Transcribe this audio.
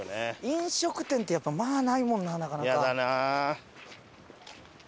飲食店ってやっぱまあないもんななかなか。